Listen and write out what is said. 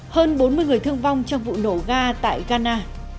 hơn bốn mươi người thương vong trong vụ nổ ga tại ghana